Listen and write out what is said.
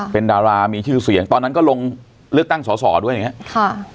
เป็นดารามีชื่อเสียงตอนนั้นก็ลงเลือกตั้งสอสอด้วยอย่างนี้ค่ะ